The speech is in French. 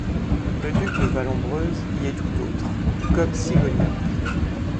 Le Duc de Vallombreuse y est tout autre, tout comme Sigognac.